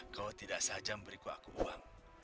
kau tidak saja memberiku aku uang